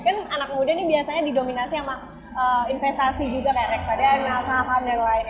kan anak muda ini biasanya didominasi sama investasi juga kayak reksadana saham dan lainnya